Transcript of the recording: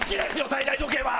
体内時計は！